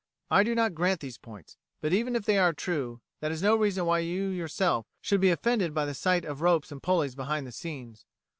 I do not grant these points; but even if they are true, that is no reason why you yourself should be offended by the sight of ropes and pulleys behind the scenes.